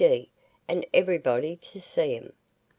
—and everybody to see 'em."